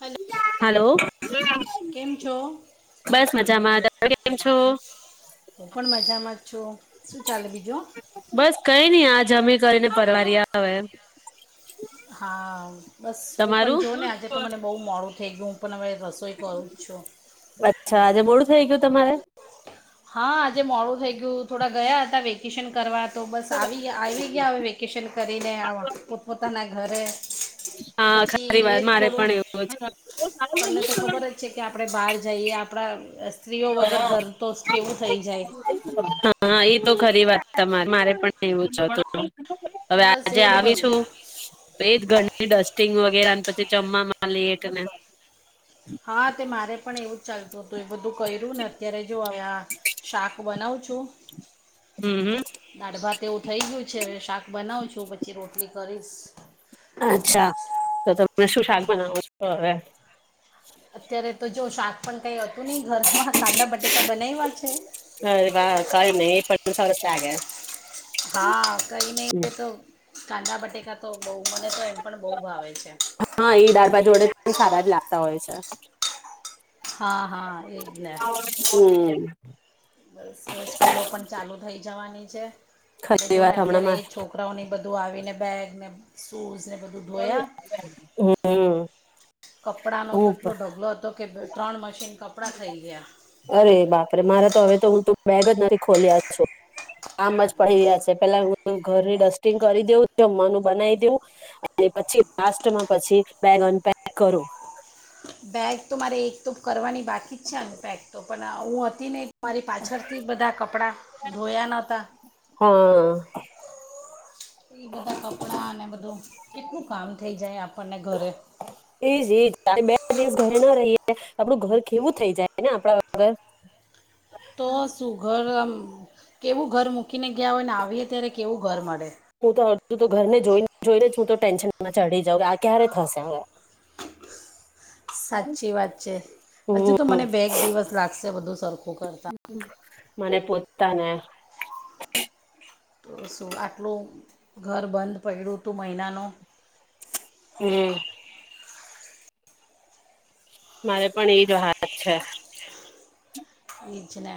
Hello. Hello કેમ છો? બસ મજામાં કેમ છો? હું પણ મજામાં જ છું. શું ચાલે બીજું? બસ કઈ નહી આ જમી કરીને પરવાર આવેય એ હા. બસ હું પણ તમારું જોઉ ને આજે તો મને બહુ મોડું કે ઘુંપના વયે અચ્છા આજે મોળું થઈ ગયું. તમારે. હા આજે મોડું થઈ ગયું થોડા ગયા હતા. વેકેશન કરવા તો બસ આવી ગયા આવી ગયા હ વેકેશન કરીને આ પોતપોતાના ઘરે, તો હા પછી ખરી એ વાત જ મારે થોડું પણ એવું જ તમને તો ખબર જ છે, કે આપણે બાર- જઈએ આપણા રસ સ્ત્રીઓ વગર ઘર તો સ કેવું થઈ જાય. હા એ તો ખરી વાત તમારે મારે પણ તેવું જ હતું. હવે બસ આજે એ જ બધું આવીશું, એજ ઘર ડસ્ટિંગ કેરાન પછી જમમાં લેટને. હ, તે મારે પણ એવું જ ચાલતું તો એ બધું કર્યુંને અત્યારે જો કે આ શાક બનાવું છું. હમ હમ દાળ ભાત એવું થઈ ગયું છે હવે શાક બનાવું છુ પછી રોટલી કરીશ. અચ્છા તો તમે શું શાક બનાવો છો હવે અત્યારે જો શાક- પન કંઈ અતું ની ઘરમાં, કાંદા બટેકા બનાયવા છે. એમ સરસ લાગે. હા, કંઈ નહીં, એ તો- કાંદા બટેકા તો બઉ હં, એ દાળ ભાત જોડે પણ સારા જ લાગતા હોય છે. હા હા એ જ ને હમ્મ. બસ, હવે સ્કૂલો પણ ચાલુ થઇ જવાની. છે. એ ખરી જો ને વાત હમણાં અત્યારે માં એ છોકરાઓની બધું આવીને બેગ ને શું સે. [unintelligible] હમ્મ. કપડાંનો તો એટલો ઢગલો હતો. કે ત્રણ મશીન કપડાં થઈ ગયા. અરે બાપરે મારે તો હવે તો હું તો બેગ જ નથી ખોલ્યા છો આમ, જ પડી રયા છે. પેલા હું ઘરની ડસ્ટિંગ કરી દેઉં જમવાનું બનાવી દેવું. પછી લાસ્ટમાં પછી, બેગ અન પેક કરું. બેગ તો મારે એક તો કરવાની બાકી જ છે અનપેક તો પણ ઉ અતી નય. મારી પાછળથી બધા કપડાં ધોયા નતા. હા. એ બધા કપડા અને બધું કેટલું કામ થઇ જાય આપણને ઘરે. એજ એજ આપ બે દિવસ ઘરે ના રહીએ આપડું ઘર કેવું થઇ જાય ને, આપડા વગર. તો સુગર આમ. કેવું ઘર મૂકીને ગયા હોય ને આવીએ ત્યારે કેવું ઘર મળે. હું તો અડધું તો ઘરને જોઈ જોઈને હું તો ટેન્શનમાં ચડી જાઉ કે આ ક્યારે થશે હવે. સાચી વાત છે, હજુ તો હમ મને બે એક દિવસ લાગશે બધું સરખું કરતા. મને પોતાને. તો શું આટલું ઘર બંધ પડડ્યું હતું મહિનાનો. હમ. મારે પણ એજ વાત છે. એ જને.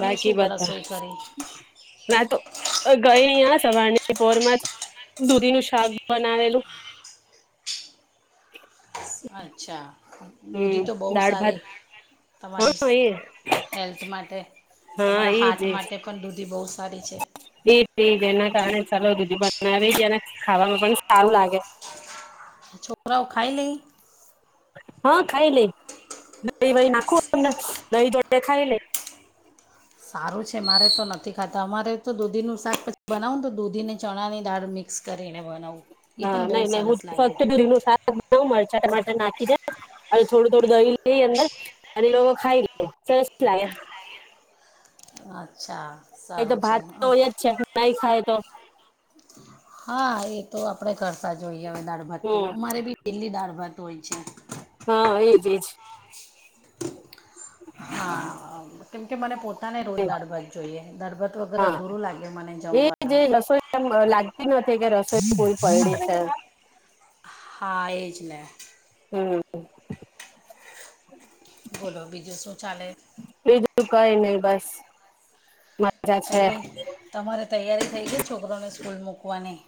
બાકી વાત કરી નાતો. ગઈ ન આ સવારની પોરમાંચ દૂધી નું શાક બનાવેલું. અચ્છા. દૂધી હમ તો બહુ દાળ ભાત સારી તમારી હા એ હેલ્થ માટે, હા તમારા હાર્ટ એજ માટે પણ દૂધી બહુ સારી છે. ચાલ દુધદી [unintelligible] બનાવી જને ખાવામાં પણ સારું લાગે. છોકરાઓ ખાઈ લઈ? હા ખાઈ લ દહી વહી નાખુંમને દહી દડ ખાઈ લ. સારું છે મારે તો નથી ખાતા અમારે તો દૂધીનું શાક પછી બનાવુંને તો દૂધીને ચણાની દાળ મિક્સ કર. હા નહી ન હું લાગે ફક્ત દરી નું શાક બ મરચા ટટર નાખી દે. અરે થોડું થોડું દહી. એ અંદર અને લોકો ખાઈ લે સરસ લાગે. અચ્છા. એ તો સારું છે ભાત તો એ જ છે નાઈ ખાય તો. હા એ તો આપડે કરતા જોઈએ. હવે દાળ ભાત તો હમ અમારે ભી પેલી દાળ ભાત. [inaudible] છે. હા, એજ, એજ. હા, હ. કેમ કે મને પોતાને રોજ દાડભાત જોઈએ. દાળભાત વગર હા અધૂરું લાગે મને એજ જમવાનું. એજ રસોઈ એમ લાગતી નથી કે રસોઈ પૂરી પડી છે હા એ જ ને. હમ. બોલો, બીજું શું ચાલે? બીજું, કંઈ નહીં, બસ. મજા થઈ છે ગઈ, તમારે તૈયારી થઈ ગઈ, છોકરાંઓને સ્કૂલ મોક લવાની?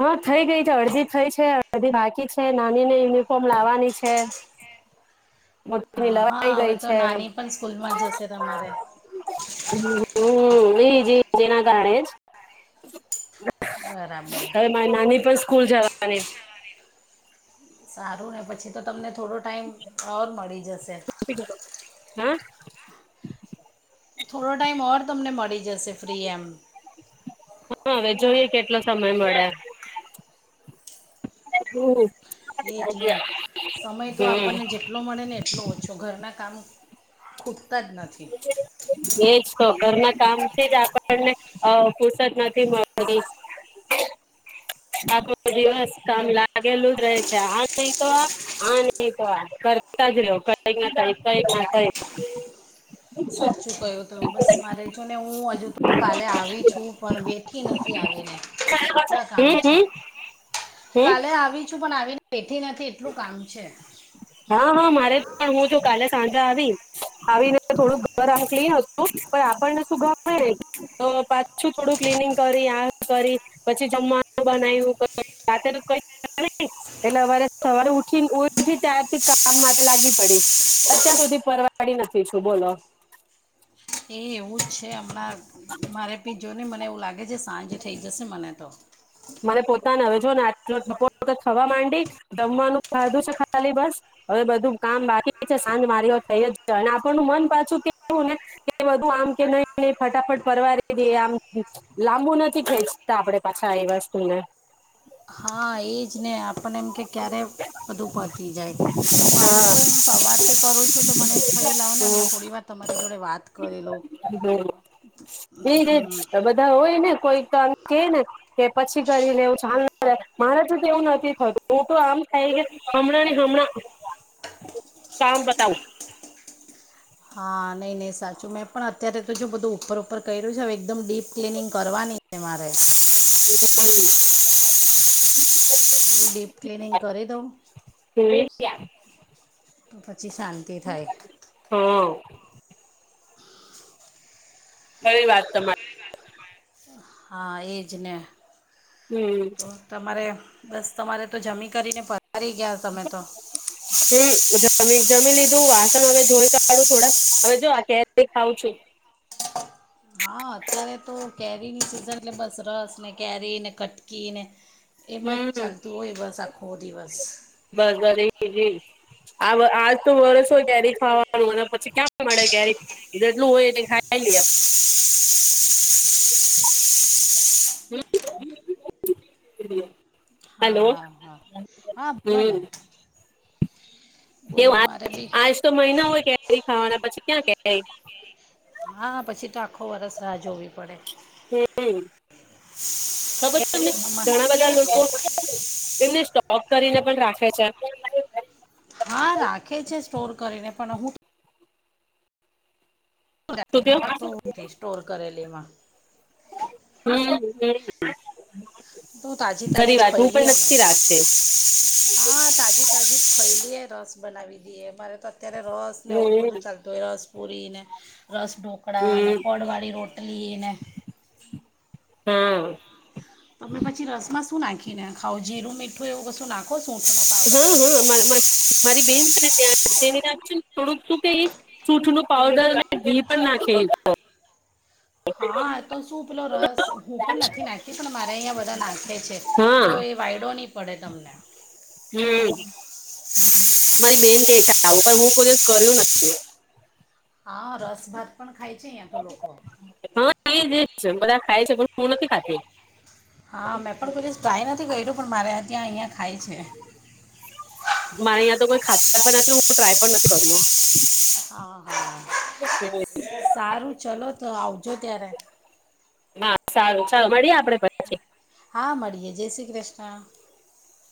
હા, થઈ ગઈ છે. અડધી થઈ ગઈ છે, અડધી બાકી છે. નાનીને યુનિફોર્મ લાવવાની છે. મોટીની હા હા લવાઈ હવે ગઈ તો છે. નાની પણ સ્કૂલમાં જશે તમારે હં. એ જ એ જ. એના કારણે જ. બરાબર. હવે મારી નાની પણ સ્કૂલ જવાની. સારું ને પછી તો તમને થોડો ટાઈમ ઓર મળી જસે. હા. થોડો ટાઈમ ઓર તમને મળી જશે ફ્રી, એમ. હા, હવે જોઈએ કેટલો સમય મળે. એજ હમ ને. સમય તો હમ આપણને જેટલો મળે ને એટલો ઓછો. ઘરના કામ ખૂબ તા જ નથી. એજ તો ઘરના કામથી જ આપણને અ ફુરસત નથી મળતી. આખો દિવસ કામ લાગેલું જ રહે છે આ નહીં તો આ, આ નહીં તો આ. કરતા જ રહો કંઈક ના કંઈક ના કંઈક. હા. સાચું ક્યું તમે. બસ મારે જો ને હું હજુ તો કાલે આવી છું, પણ બેઠી નથી આવીને, એટલા કામ હમ છે. હમ હમ કાલે આવી છું પણ આવીને બેઠી નથી એટલું કામ છે. હા, હા, મારે પણ. હું જો કાલે સાંજે આવી, આવીને થોડું [unintelligible] પણ આપણને શું ગમે નહીં. તો પાછું થોડું ક્લીનિંગ કરી, આ કરી, પછી જમવાનું બનાયવુ. રાતે તો કઈક એટલે અવારે સવારે ઉઠી ઉયઠી ત્યા થી જ કામ માટે લાગી પડી. અત્યાર સુધી પરવાડી નથી છું, બોલો. એ, એવું જ છે. હમણાં મારે બી જો ને મને એવું લાગે છે સાંજ ઠઇ જશે મને તો. મને પોતાને હવે જો ને આ બપોર તો થવા માંડી. જમવાનું ખાધું છે ખાલી બસ. હવે બધું કામ બાકી છે. સાંજ મારી હો થઈ જ જવાની. અને આપણનું મન પાછું કેવું ને, કે બધું આમ કે નહીં કે ફટાફટ પરવારી દઇએ, આમ લાંબુ નથી ખેંચતા આપડે પાછા એ વસ્ તુ ને હા એ જ ને, આપણને એમ કે ક્યારે બધું પતી જાય. હા આમાં, હું પણ સવારથી કરું છું, તો મને થયું લાવો ને હમ અમને થોડી વાર તમારી જોડે વાત કરી લઉં એ જ એ હમ જ, બધા હોય કોઈ આમ કે ને, કે પછી કરીને એવું. ચાલ ને. મારે તો તે એવું નથી થતું. હું તો આમ થાય હમણાં ને હમણાં કામ પતાવું. હા, નહીં નહીં સાચું. મેં પણ અત્યારે તો જો બધું. ઉપર ઉપર કયરુ છે, હવે એકદમ ડીપ ક્લિનિંગ કરવાની છે મારે. હમ. ડીપ ક્લીનિંગ કરી દઉં. યા તો શાંતિ થાય. હા કઈ વાત તમા હા એજ ને હમ તો તમારે બસ તમારે તો જમી કરીને પ હારી ગયા તમે તો ત જમી લીધું વાસણ હવે ધોઈ કાડું થોડાક. હવે જો આ કેરી ખાવં છું. હા અત્યારે તો કેરીની સીઝન એટલે બસ રસ ને કેરી કટકીને એમાં જ હમ ચાલતું હોય બસ આખો દિવસ. જ આ આજ તો વરસ કેરી જ ખાવાનું અને પછી ક્યાં મળે કેરી જેટલું હોય એ ખાય લિયે. હા હલો. હા હા હા બોલોને. એ [unintelligible] આજ તો મહિના હોય ગે કેરી ખાવાના પછી ક્યાં. [unintelligible] હા પછી તો આખો વર્ષ રાહ જોવી પડે. હમ આમાં ઘણા બધા લોકો એમને સ્ટોક કરીને પણ રાખે છે. હા રાખે છે સ્ટોર કરીને પણ હું કયો [unintelligible] તો સ્ટોર કરેલી માં. હમ્મ હમ્મ. તું તાજી તાજી જ ખઈ લીએ અમે તો. રાખતી હા તાજી તાજી જ ખઈ લીએ રસ બનાવીન. [unintelligible] અમારેત અત્યારે રસ ને એવું જ હમ બધું ચાલતું હોય. રસ પુરીને રસ ઢોકળા ને હમ પડવાળી રોટલી ને. હા. તમે પછી રસ માં શું નાખીને ખાવ? જીરું મીઠું એવું કશું નાખો? સૂંઠનો હમ્મ હમ્મ પાવડર મ મ મારી બેન છે ને ત્યાં તેને ત્યાં છે ને થોડુંક શું કઈ સુઠ નું પાવડર, ઘી પણ નાખે એ તો. હા તો શૂ પેલો રસ હું પણ નથી નાખતી પણ મારા અહીંયા બધા નાખે છે, તો હા એ વાયડો ની પડે તમને. હમ મારી બેન કે છે કે આવુ પણ હું કોઈ દિવસ કર્યું નથી. હા રસભાત પણ ખા ખાય છે અઈયા તો લોકો હા એ જ એ જ છે બધા ખાય છે. પણ હું નથી ખાતી. હા મેં પણ કોઈ દિવસ ટ્રાય નથી કયરુ. પણ મારે ત્યાં અહીંયા ખાય છે. મારે અહીંયા તો કોઈ ખાતા પણ નથી, હું ટ્રાય પણ નથી કર્યું. હા હા. હમ સારું ચલો તો આવજો ત્યારે. હા સારું સારું ચાલ મળ્યે આપડે પછી. હા મળીએે જય શ્રી કૃષ્ણ.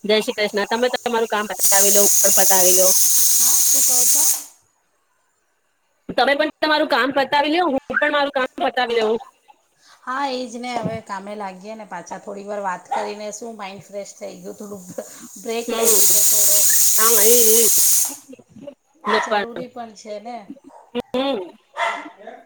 જય શ્રી કૃષ્ણ તમે તમારું કામ પતાવી લો, પતાવી લો. કરો છો? તમે પણ તમારું કામ પતાવી લેવ, હું પણ મારું કામ પતાવી લેવું. હા એ જ ને હવે કામે લાગીએ ને પાછા થોડી વાર વાત કરીને શું માઇન્ડ ફ્રેશ થઈ ગયો થોડું અ બ્રેક લઈ હમ લીધો થોડો જરૂરી ને છે ને પણ હ અ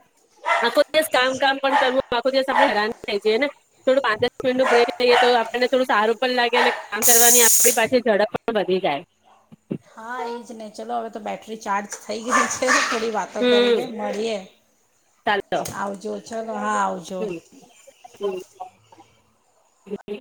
આખો દિવસ કામ કામ પણ કરવું આખો દિવસ આપણે હેરાન થઈ જએને. થોડું પાંચ દસ મિનિટ નો બ્રેક થઈએ તો આપને થોડું સારું પણ લાગે અને કામ કરવાની આપણી પાછી ઝડપ પણ વધી જાય. એજને ચલો હવે તો બેટરી ચાર્જ થઈ ગઈ છે. થોડી વાતો કરીને હમ મળીએ, ચાલો આવજો ચલો હા, આવજો. હમ [inaudible]